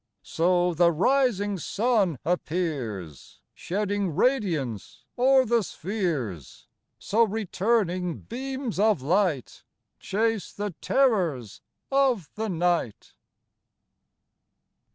So the rising sun appears. Shedding radianceo'er the spheres ; So returning beams of light Chase the terrors of the night.